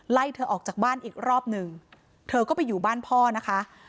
ไล่เธอออกจากบ้านอีกรอบหนึ่งเธอก็ไปอยู่บ้านพ่อนะคะ